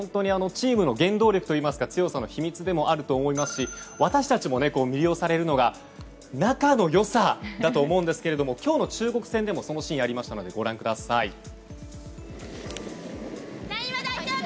チームの原動力といいますか強さの秘密でもあると思いますし私たちも魅了されるのが仲の良さだと思うんですけども今日の中国戦でもそんなシーンがありましたのでご覧ください。